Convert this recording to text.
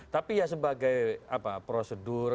tapi ya sebagai prosedur